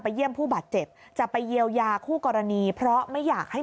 เยี่ยมผู้บาดเจ็บจะไปเยียวยาคู่กรณีเพราะไม่อยากให้